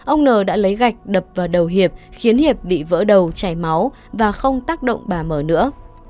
ông n đã lấy gạch đập vào đầu hiệp khiến hiệp bị vỡ đầu chảy máu và không tác động bà mờ nữa